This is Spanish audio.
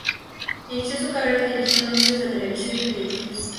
Inició su carrera dirigiendo anuncios de televisión y videoclips.